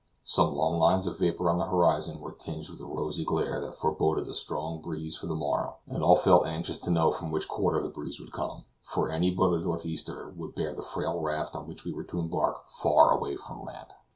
Some long lines of vapor on the horizon were tinged with a rosy glare that foreboded a strong breeze for the morrow, and all felt anxious to know from which quarter the breeze would come, for any but a northeaster would bear the frail raft on which we were to embark far away from land.